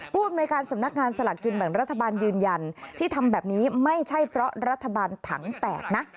ผู้อำนวยการสำนักงานสลากกินแบ่งรัฐบาลยืนยันที่ทำแบบนี้ไม่ใช่เพราะรัฐบาลถังแตกนะ